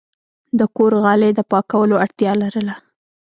د کور غالی د پاکولو اړتیا لرله.